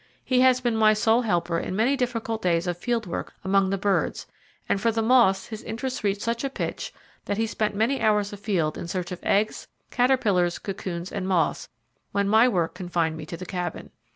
He has been my sole helper in many difficult days of field work among the birds, and for the moths his interest reached such a pitch that he spent many hours afield in search of eggs, caterpillars, cocoons, and moths, when my work confined me to the cabin.